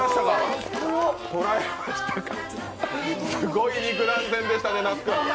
すごい肉弾戦でしたね、那須君。